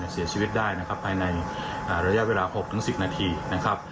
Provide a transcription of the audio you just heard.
เสียชีวิตได้นะครับภายในระยะเวลา๖๑๐นาทีนะครับ